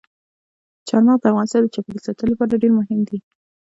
چار مغز د افغانستان د چاپیریال ساتنې لپاره ډېر مهم دي.